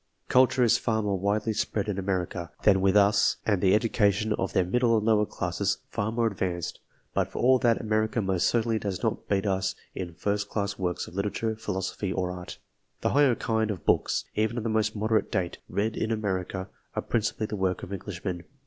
Culture is far more widely spread in America, than with us, and the education of their middle' and lower classes far more advanced ; but, for all that, America most certainly does not beat us in first class works of literature, philosophy, or art. The higher kind of books, even of the most modern date, read in America, are principally the work of Englishmen.